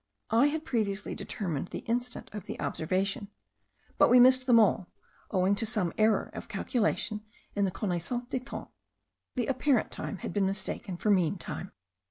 I had previously determined the instant of the observation, but we missed them all, owing to some error of calculation in the Connaissance des Temps. The apparent time had been mistaken for mean time.